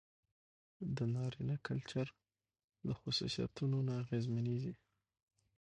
د نارينه کلچر له خصوصيتونو نه اغېزمنېږي.